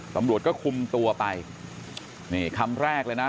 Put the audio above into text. ตำรวจก็คุมตัวไปนี่คำแรกเลยนะ